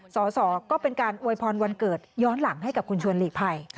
สอสอก็เป็นการอวยพรวันเกิดย้อนหลังให้กับคุณชวนหลีกภัย